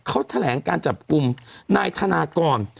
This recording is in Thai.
เขาแถลงการจับกลุ่มนายธนากร